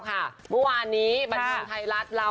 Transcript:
ค่ะระวันนี้บัตรงใทรัศน์เรา